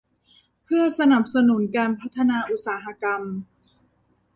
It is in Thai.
เพื่อสนับสนุนการพัฒนาอุตสาหกรรม